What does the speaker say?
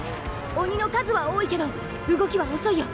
鬼の数は多いけど動きは遅いよ。